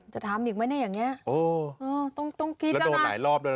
จะทำอีกไหมเนี่ยอย่างนี้ต้องคิดกันนะโอ้โฮแล้วโดนหลายรอบแล้วนะ